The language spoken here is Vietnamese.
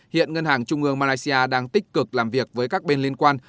hiện ngân hàng trung ương malaysia đang tích cực làm việc với các bên liên quan